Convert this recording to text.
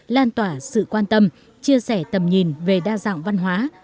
lan tỏa sự quan tâm chia sẻ tầm nhìn về đa dạng văn hóa